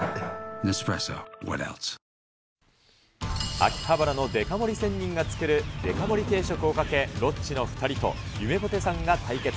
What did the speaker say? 秋葉原のデカ盛り仙人が作るデカ盛り定食をかけ、ロッチの２人とゆめぽてさんが対決。